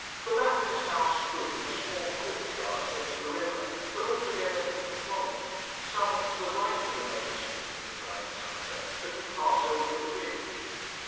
Balatka's house stood in a small courtyard near to the river, but altogether hidden from it, somewhat to the right of the main street of the Kleinseite as you pass over the bridge.